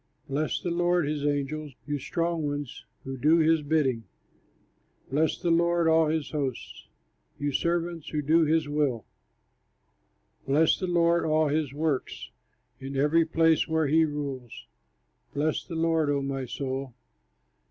Bless the Lord, his angels, You strong ones who do his bidding. Bless the Lord all his hosts, You servants who do his will, Bless the Lord, all his works, In every place where he rules, Bless the Lord, O my soul.